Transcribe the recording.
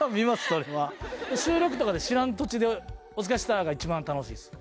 それは収録とかで知らん土地で「お疲れっした」が一番楽しいです